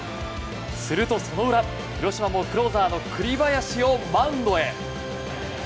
するとその裏広島もクローザーの栗林をマウンドへ。